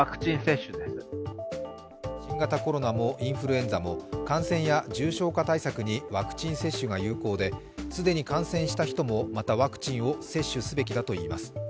新型コロナもインフルエンザも感染や重症化対策にワクチン接種が有効で、既に感染した人もまたワクチンを接種すべきだといいます。